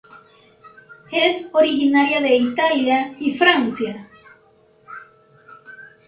Es originaria de Italia y Francia.